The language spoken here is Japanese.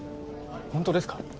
ホントですか？